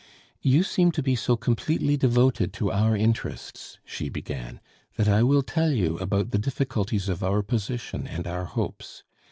"You seem to be so completely devoted to our interests," she began, "that I will tell you about the difficulties of our position and our hopes.